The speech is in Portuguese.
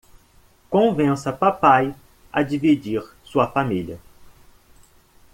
Convença papai a dividir sua família